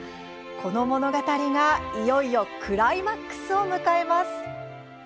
この物語がいよいよクライマックスを迎えます！